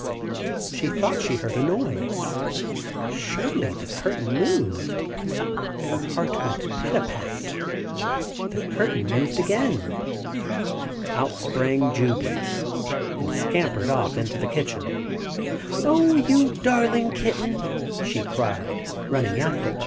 She thought she heard a noise. Surely the curtain moved! Her heart went pit a pat! The curtain moved again. Out sprang Jubey, and scampered off into the kitchen. "Oh, you darling kitten!" she cried, running after her.